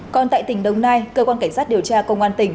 còn tại tỉnh đồng nai cơ quan cảnh sát điều tra công an tỉnh